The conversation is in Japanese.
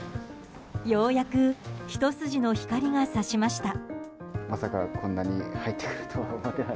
ようやくひと筋の光が差しました。